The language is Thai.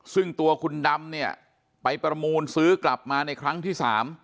ซึ่งตัวคุณดำเนี่ยไปประมูลซื้อกลับมาในครั้งที่๓